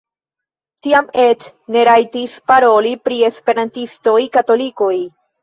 Tiam eĉ ne rajtis paroli pri esperantistoj-katolikoj.